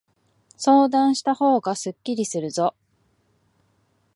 相談したほうがすっきりするぞ。